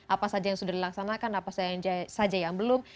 apa saja yang sudah dilaksanakan apa saja yang belum